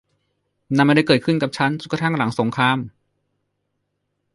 นั่นไม่ได้เกิดขึ้นกับฉันจนกระทั่งหลังสงคราม